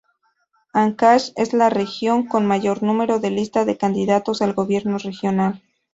Ancash es la región con mayor numero de listas de candidatos al gobierno regional.